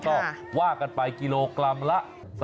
ก็ว่ากันไปกิโลกรัมละ